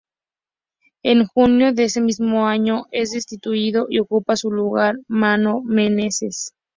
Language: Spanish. En junio de ese mismo año, es destituido y ocupa su lugar Mano Menezes.